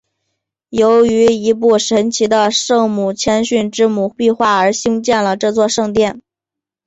由于一幅神奇的圣母谦逊之母壁画而兴建了这座圣殿。